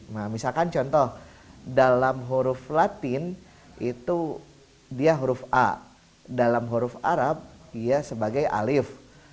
nah misalkan contoh dalam huruf latin itu dia huruf a dalam huruf arab dia sebagai alif